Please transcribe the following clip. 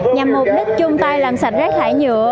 nhằm mục đích chung tay làm sạch rác thải nhựa